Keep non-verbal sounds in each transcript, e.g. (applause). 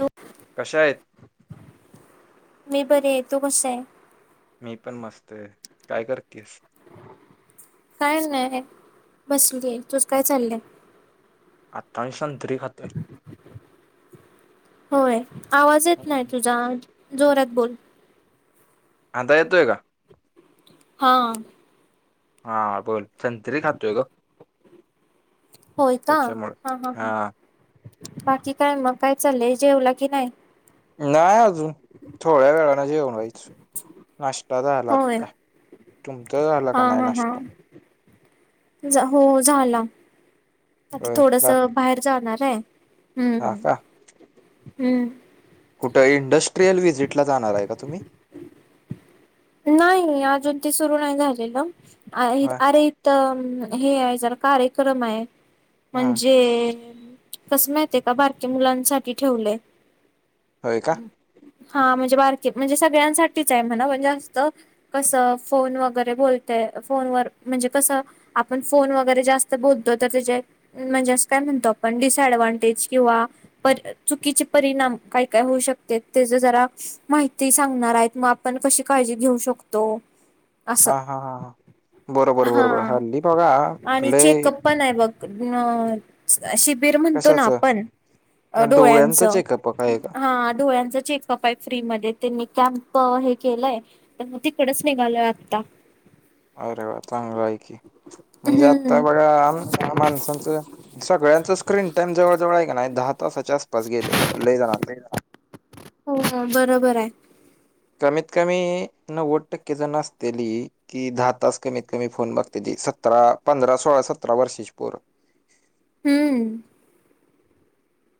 होो (inaudible) कशायेत. मी बरिय, तू कसाय. मी पण मस्तय, काय करतेस? काय नाय बसलीय, तुज काय चालय. आता सत्ररी खातोय. होय, आवाज येत नाही हम्म. तुझा, जोरात बोल. आता येतोय का? हा. हा बोल, संत्री खातोय ग. होय का? हा ह ह, बाकी काय म, काय चाललंय, जेवला की नाइ म नाय अजून, थोड्या वेळानं जेवायचं. नाष्टा झाला होय आता, तुमचा झाला हा काय नाय हा हा नाश्ता. हो झाला, आता होय थोडस बा बाहेर जाणारेय, हा हम्म का? हम्म. कुठ इंडस्ट्रियल व्हिजिटला जाणार आहे का तुम्ही? नाइ अजून ते सुरू नाइ झालेल. आ होय. अरे त म हे आहे जरा कार्यक्रम आहे. हम्म. मणजे कस माहितीय का बारक्या मुलांसाठी ठेवलय. होय का? हा म्हणजे बारके म्हणजे सगळ्यांसाठीच हाय म्हणाव. कस फोन वगैरे बोलत फोनवर म्हणजे कसं आपण फोन वैगेरे ज्यास्त बोलतो त्याच जे म्हणजे असं काय म्हणतो आपण डीसाईडवानटेज किंवा चुकीचे परिणाम काय काय होऊ शकत्यात. तेज जरा माहिती सांगणार हायत. मग आपण कशी काळजी घेऊ शकतो. असं हा हा हा बरोबर हा बरोबर हल्ली बगा आणि लयी चेकअप पण आय बघ न शिबिर म्हणतो ना कशाचं? आपण. अ डोळ्यांच. डोळ्यांचं चेकअप काय आहे का? हा डोळ्यांचा चेकअप आय फ्री मध्ये. त्यांनी कॅम्प हे केलंय. तिकडच निघालोय आत्ता. अरे वा चांगलंय की. मणजे आता हम्म बगा माणसांच सगळ्यांचं स्क्रीन टाइम जवळ जवळ आहे का नाइ दहा तासाच्याआसपास गेले बघा लयी जणांच. हो हो बरोबर आहे. कमीत कमी नव्वद टक्के जन असतीली. की दहा तास कमीत कमी फोन बघत्याती. सतरा पंधरा सोळा सतरा वर्षेची पोर. हम्म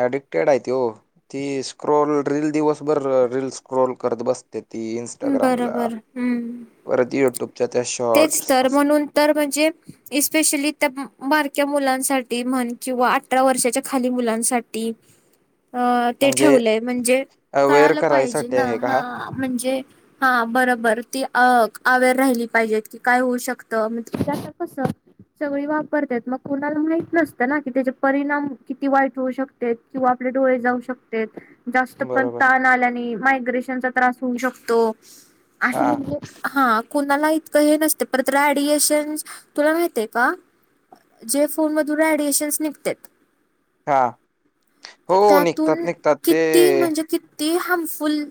ऍडिक्टेड आहे ती हो. ती स्क्रोल रील दिवसभर रील स्क्रोल करत बस ते ती इंस्टाग्रामला बरोबर हम्म परत युट्यूबच्या त्या तेच शॉर्टस. तर अस म्हणून तर म्हणजे इस्पेशली त्या बारक्या मुलांसाठी म्हण, किंवा अठरा वर्षाच्या खाली मुलांसाठी. (inaudible) अ ते म्हणजे ठेवलंय म्हणजे अवेअर कळालं पाइजे करायसाठी ना. आहे का हा म्हणजे हा बरोबर ती अ अवेर राहिली पाहिजेत. की काय होऊ शकतं. म्हणजे कस सगळी वापरत्यात. मग कुणाला माहित नसतं ना की त्याच परिणाम किती वाईट होऊ शकते. किंवा आपले डोळे जाऊ शकतेत. जास्त पण बरोबर ताण आल्याने मायग्रेशनचा त्रास होऊ शकतो. तो असं हा म्हणजे हा कुणाला इतकं हे नसते. परत ऍडिएशन तुला माहितय का? जे फोन मधून एडिएशन्स निघत्यात हा हो निघतात त्यातून निघतात किती ते म्हणजे कि ते हार्मफुल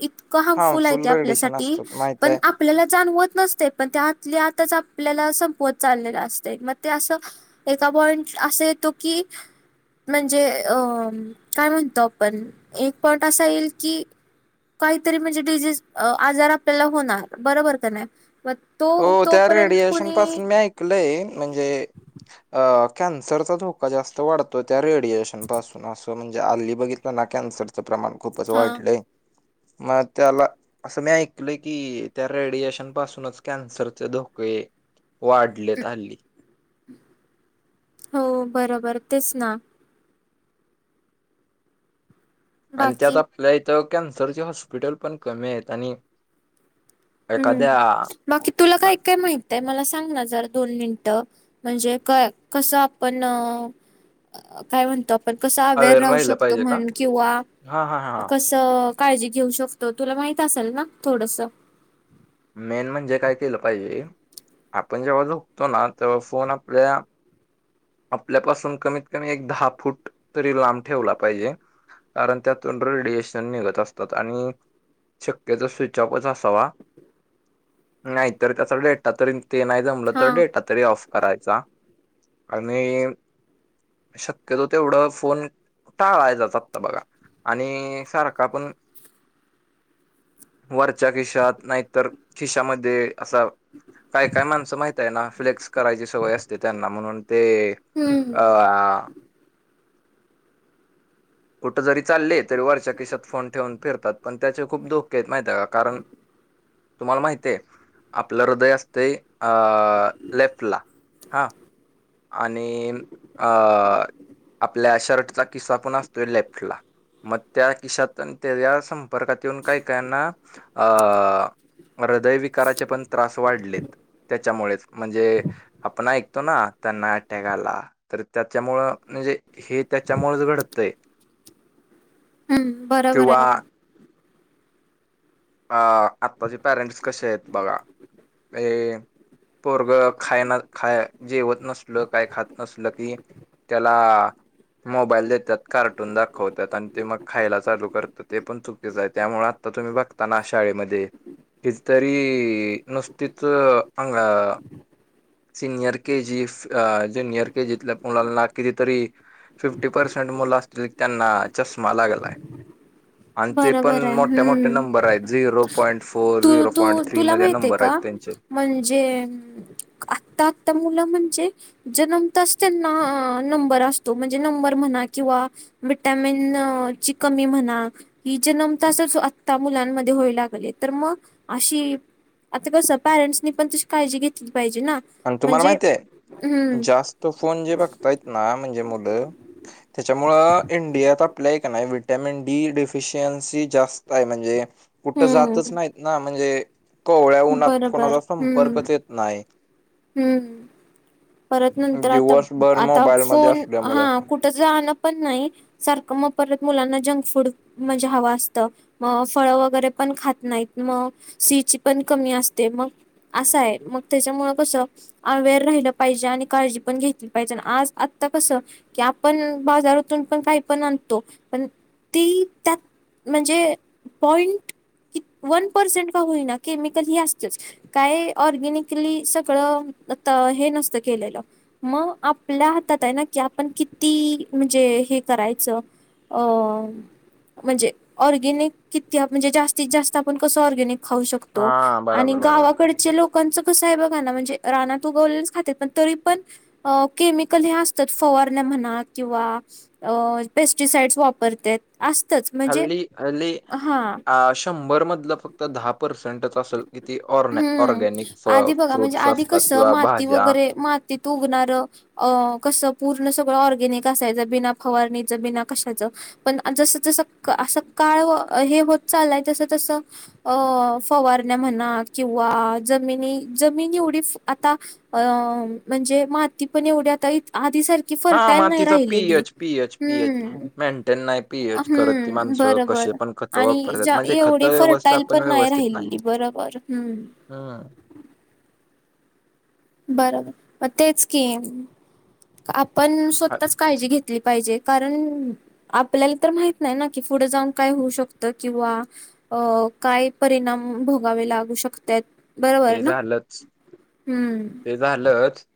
इतकं हार्मफुल आहे ते रेडिएशन आपल्यासाठी. असतात माहित पण आहे. आप आपल्याला जाणवत नसतय. पण आतल्या आताच आपल्याला संपवत चाललेलं असतय. मग ते अस एका पॉइंट अस येतो की म्हणजे अ काय म्हणतो आपण. एक पॉईंट असा येईल की काहीतरी म्हणजे डीजीस आजार आपल्याला होणार. बरोबर का नाही. तो हो त्या तोपर्यंत रेडिएशन कुणी पासून मी ऐक म्हणजे कॅन्सरचा धोका जास्त वाढतो. त्या रेड रेडिएशन पासून असं म्हणजे हल्ली बघितलं ना कॅन्सरचं प्रमाण खूपच हा वाढलय. त्याला अस मी ऐकलंय की, त्या रेडिएशन पासूनच कॅन्सरचे धोके वाढलेत हल्ली. हो बरोबर तेच ना. आणि त्यात बाकी आपल्या इथं कॅन्सरचे हॉस्पिटल पण कमी आहेत. आणि हम्म एखाद्या बाकी तुला काय काय माहित आहे. मला सांग ना जरा दोन मिनिटं. म्हणजे कस आपण काय म्हणतो आपण कस आवेर अवेअर राहू राहिलं शकतो पाहिजे का म्हण किंवा हा हा हा कस हो काळजी घेऊ शकतो तुला माहित असेल ना थोडंसं मेन म्हणजे काय केलं पाहिजे आपण जेव्हा झोपतो तेव्हा फोन आपल्या आपल्यापासून कमीत कमी एक दहा फूट तरी लांब ठेवला पाहिजे. कारण त्यातून रेडिएशन निघत असतात. आणि शक्यतो स्विच ऑफच असावा नाय त त्याचा डेटा तरी ते नाय जमलं हा तर डेटा तरी ऑफ करायचा. आणि शक्यतो फोन टाळायचाचं आता बघा आणि सारखा पण वरच्या खिशात नाय तर खिशामध्ये असा काय काय माणस माहिती हाय ना फ्लेक्स करायची सवय असते त्यांना म्हणुन ते हम्म अ कुठं जरी चालले तरी वरच्या खिशात फोन ठेवून फिरतात पण त्याचे खूप धोके आहेत. माहिती आहे का कारण तुम्हाला माहितिये. आपलं हृदय असतय अ लेफ्टला हा आपल्या अ शर्टचा किस्सा पण असतोय लेफ्टला मं त्या किशात आणि संपर्कात येऊन काय काय यांना हृदयविकाराचे पण त्रास वाढलेत. त्याच्यामुळेच म्हणजे आपण ऐकतो ना त्यानां अटॅक आला तर त्याच्यामुळे म्हणजे हे त्याच्यामुळंच घडतंय. (unintelligible) हम्म बरोबर आहेत किंवा बघा आ आत्ताचे पॅरेंट्स कसे आहेत बघा हे पोरग खाय ना जेवत नसल काय खात नसल की त्याला मोबाईल देत्यात कार्टून दाखवत्यात आणि ते मग खायला चालू करत. ते पण चुकीच आहे. त्यामुळं आता तुम्ही बघ तांना शाळेमध्ये किती तरी नुसतीच आंग सिनियर के जीस जुनिअर के जीतल्या मुलांना किती तरी फिफ्टी पर्सेंट मुल असतील त्यानां चष्मा लागलाय. आणि ते पण बरोबर आहे मोठे मोठे हम्म नंबर आहेत zero point four two zero two point three तुला मध्ये माहितीय नंबर का आहेत. म्हणजे आत्ता आत्ता मुलं म्हणजे जन्मताच त्यांना अ नंबर असतो. म्हणजे नंबर म्हणा किंवा विटॅमिन ची कमी म्हणा ही जन्मताच आता मुलांमध्ये होऊ लागले तर म अशी आता पासना पेरेंट्सनी पण तशी काळजी घेतली पाहिजे ना. आणि तुम्हाला म्हणजे माहिती ये हम्म जास्त फोन जे बघतायत ना म्हणजे मुलं त्याच्यामुळं इंडियात आपल्या हाय का नाय विटॅमिन डी डिफिशियन्सी जास्त हाय म्हणजे कुठं हम्म जातच नाहीत ना म्हणजे कोवळ्या उन्हात कोणाचा संपर्कच येत नाही. हूं परत नंतर आता दिवसभर आता मोबाईल मध्ये फोन असल्यामुळं हं कुठ जाण पण नाही सारखं मग परत मुलांना जंक फूड म्हणजे हवं असतं. मग फळं वगैरे पण खात नाहीत मग शी ई ची पण कमी असते मग असं आहे मग त्याच्यामुळं कसं. अव्हेर राहिलं पाहिजे आणि काळजी पण घेतली पाहिजे आणि आज आत्ता कसं कि आपण बाजारातून पण काही पण आणतो पण ती त्यात म्हणजे पॉइंट वन पर्सेंट का होईना केमिकल हे असतच. काय ऑर्गॅनिकली सगळं आता हे नसत केलेलं. म आपल्या हातात आहे ना कि आपण किती म्हणजे हे करायचं. अ म्हणजे ऑर्गेनिक किती आप म्हणजे जास्तीत जास्त आपण कसं ऑर्गेनिक खाऊ शकतो. तो हा आणि बरोबर बरोबर गावाकड. लोकांच कस आहे बघा ना म्हणजे राणा तुगवले खातात पण तरी पण. अ केमिकल हे असतात फवारण्या म्हणा किंवा. अ पेस्टिसाईड्स वापरत. असतंच. हल्ली हल्ली शंभर मधलं फक्त दहा पर्सेंटच असेल. किती ऑरन हम्म ऑर्गॅनिक आधी बघा म्हणजे फ्रूट्स असतात किंवा भाज्या. तिथ उघणार. अ कसं पूर्ण सगळं ऑर्गॅनिक असायचं बिना फवारणीचं बिना कशाचं. पण जस जसं असं काळ हे होत चाललंय तसं तसं अ. फवारण्या म्हणा किंवा जमिनी जमिनी एवढी आता. अ म्हणजे माती पण एवढी आता आधी सारखी. कि हां, फरटाईल नाही मातीचा राहिलेली पी-एच, पी-एच, पी-एच हम्म मेंटेन नाही पी-एच करत ती हम्म माणसं. बर बर. कसे पण खतं आणि वापरतात. म्हणजे एवढी खतं फर्टाईल व्यवस्थापन पण नाही राहिली बरोबर हम्. हा. बरोबर म तेच की आपण हां, स्वतःच काळजी घेत. पाहिजे कारण. आपल्याला तर माहित नाही ना कि पुढे जाऊन काय होऊ शकतं किंवा. अ काय परिणाम भोगावे लागू शकतात. बरोबर ते ना झालंच हम्म ते झालंच.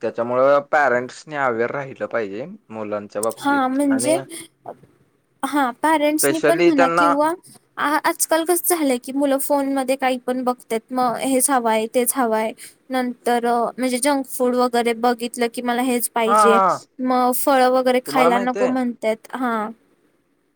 त्याच्यामुळ पॅरेंट्स अवेअर राहिलं पाहिजे. मुलांच्या हा बाबतीत आणि. म्हणजे हा पॅरेंट्सनी पण स्पेशली म्हणा त्यांना किंवा. आ आजकाल कस झालंय की मुलं फोन मध्ये काही पण बघतात मग हेच हवंय तेच हवंय. नंतर म्हणजे जंक फूड वगैरे बघितलं की मला हेच. हां, पाहिजे हां. मग फळ वगैरे तुम्हाला खायला माहिती नको म्हणतात हा.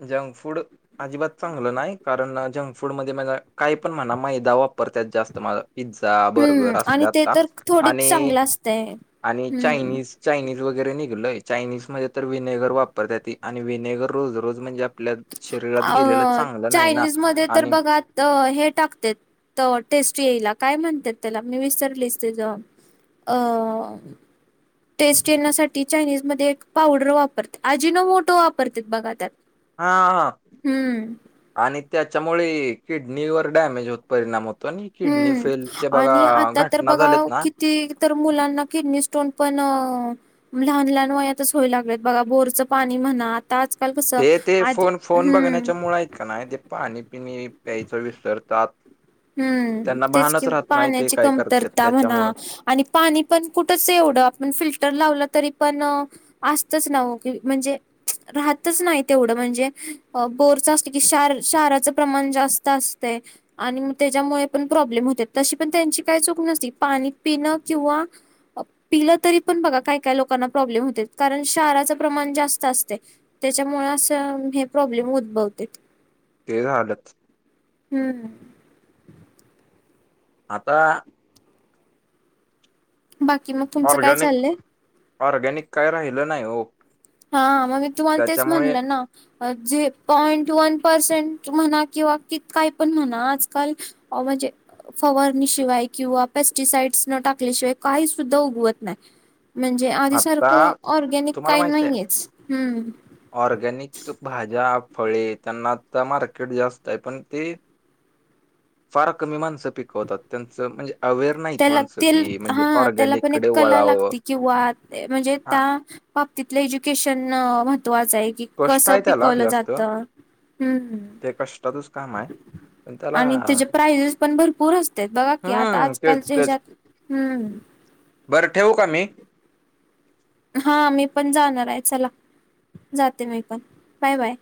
Junk food. अजिबात चांगलं नाही कारण जंक फूड मध्ये माझ काय पण म्हणा मैदा वापरतात जास्त माला. पिझ्झा हम्म बर्गर आणि असल्या ते आता तर थोडीच आणि चांगलं असतंय आणि हम्म चायनीज. चायनीज वगैरे निघालोय चायनीज मध्ये तर विनेगर वापरतात ती आणि विनेगर रोज रोज म्हणजे. आपल्या शरीरात गेलेलं अ चांगलं नाही ना चायनीज मध्ये आणि. बघा तर हे टाकते त टेस्ट येईला काय म्हणतात त्याला मी विसरलीस ते ज. अ. टेस्ट येण्यासाठी चायनीज मध्ये एक पावडर वापरते आजिनो मोटो वापरते बघा त्या. हा हा. हम्म. आणि त्याच्यामुळे किडनीवर डॅमेज होत परिणाम होत. हम्म आणि आता तर घटना बघा झाल्यात ना किती तर मुलांना किडनी स्टोन पण लहान लहान वयातच होय लागलेत बघा बोरचं पाणी म्हणत आजकाल कस ते ते आधी फोन फोन बघण्याच्या मुळे हम्म आहेत नाही ते पाणी पिणी प्यायचं विसरतात हम्म त्यांना तेच कि भानच राहत नाही ते पाण्याची काय करतात कमतरता म्हणा त्याच्यामुळं आणि पाणी पण कुठच एवढं आपण फिल्टर लावलं तरी पण असतच नव की म्हणजे राहतच नाही तेवढं म्हणजे बोरचं असत की शार शाराचं प्रमाण जास्त असतं आणिग त्याच्यामुळे पण प्रॉब्लेम होते तशी पण त्यांची काही चूक नसती पाणी पिणं किंवा पिलं तरी पण बघा काय काय लोकांना प्रॉब्लेम होते कारण शाराच प्रमाण जास्त असते त्याच्यामुळे असं हे प्रॉब्लेम उद्भवते तेज हलत हम्म आता बाकी मग तुमचं काय चाललंय ऑरगॅनिक काय राहिलं नाही हो. हा मग तुम्हाला तेच त्याच्यामुळे म्हणलं ना. जे पॉइंट वन पर्सेंट म्हणा किंवा क काय पण म्हणा आजकाल अ म्हजे फवारणीशिवाय किंवा पेस्टिसाईड्स न टाकल्याशिवाय काही सुद्धा उगवत नाही म्हणजे आता आधीसारखं ऑर्गॅनिक तुम्हाला काही माहित आहे नाहीेच हम्म ऑर्गॅनिक भाज्या फळे त्यांना तर मार्केट जास्त आहे पण ते फार कमी माणसं पिकवतात त्यांचं म्हणजे अवेअर नाहीत त्याला माणसं तेल की म्हणजे हा त्याला पण एक ऑर्गॅनिककडे कला वळावं लागते किंवा म्हणजे हा त्या बाबतीतलं एज्युकेशन महत्त्वाच आहे कि कष्ट कसं आहे त्याला पिकवलं जास्त जातं हम्म ते कष्टातच काम आहे पण त्याला आणि त्याचे प्राइजेस पण भरपूर असते बघा की आता हम्म तेच आजकालच्या तेच हच्यात हम्म. बरं ठेवू का मी. हा मी पण जाणार आहे चला जाते मी पण बाय बाय